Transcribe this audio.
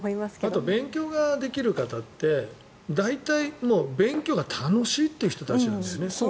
あと勉強ができる方って大体、勉強が楽しいって人たちなんだよね。